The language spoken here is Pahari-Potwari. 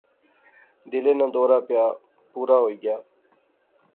دلے ناں دورہ پیا، پورا ہوئی گیا